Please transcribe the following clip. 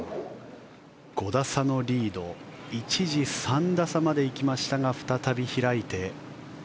５打差のリード一時、３打差まで行きましたが再び開いて。